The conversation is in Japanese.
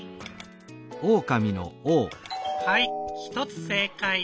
はい１つ正かい！